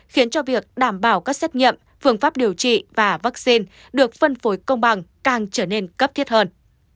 khiến cho việc đảm bảo các xét nghiệm phương pháp điều trị và vaccine được phân phối công bằng càng trở nên cấp thiết hơn